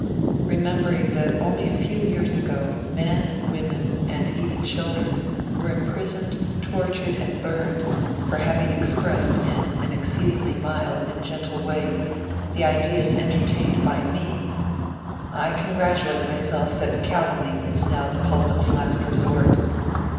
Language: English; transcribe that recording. Remembering that only a few years ago men, women, and even children, were imprisoned, tortured and burned, for having expressed in an exceedingly mild and gentle way, the ideas entertained by me, I congratulate myself that calumny is now the pulpit's last resort.